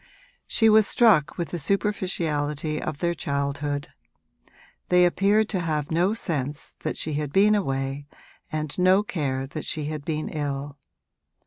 She was struck with the superficiality of their childhood; they appeared to have no sense that she had been away and no care that she had been ill.